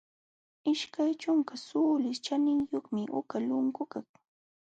Ishkay ćhunka suulis ćhaniyuqmi uqa lunkukaq.